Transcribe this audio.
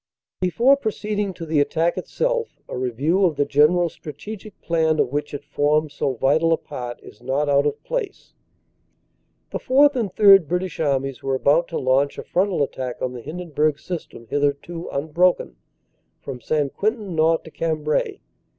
Before proceeding to the attack itself, a review of the gen eral strategic plan of which it formed so vital a part, is not out of place. The Fourth and Third British Armies were about to launch a frontal attack on the Hindenburg System, hitherto unbroken, from St. Quentin north to Cambrai.